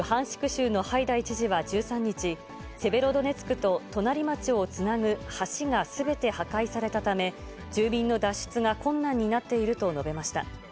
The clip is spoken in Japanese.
州のハイダイ知事は１３日、セベロドネツクと隣町をつなぐ橋がすべて破壊されたため、住民の脱出が困難になっていると述べました。